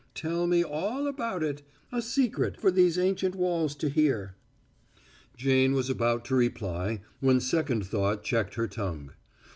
"Tell me all about it a secret for these ancient walls to hear." Jane was about to reply when second thought checked her tongue.